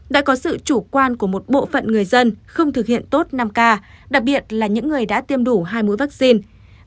đã có sự chủ quan của một bộ phận người dân không thực hiện tốt năm k đặc biệt là những người đã tiêm đủ hai mũi vaccine